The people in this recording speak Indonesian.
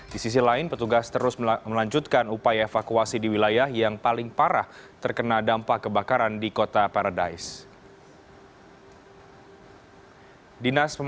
di sisi lain petugas terus melanjutkan upaya evakuasi di wilayah yang paling parah terkena dampak kebakaran di kota paradise